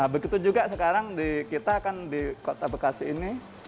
begitu juga sekarang kita kan di kota bekasi ini